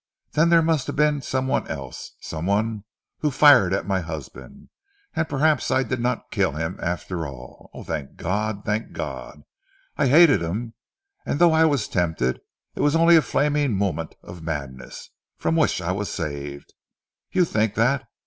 Then there must have been some one else, some one who fired at my husband, and perhaps I did not kill him after all. Oh! thank God! Thank God! I hated him, and though I was tempted, it was only a flaming moment of madness, from which I was saved. You think that?